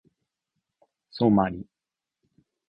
ソマリ